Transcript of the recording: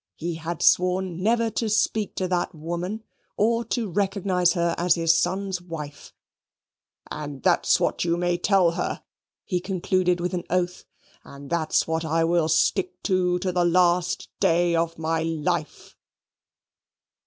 He had sworn never to speak to that woman, or to recognize her as his son's wife. "And that's what you may tell her," he concluded with an oath; "and that's what I will stick to to the last day of my life."